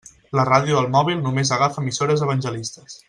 La ràdio del mòbil només agafa emissores evangelistes.